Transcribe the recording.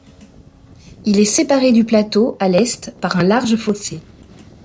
Il est séparé du plateau, à l'est, par un large fossé.